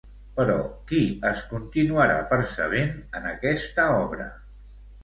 Però qui es continuarà percebent en aquesta obra?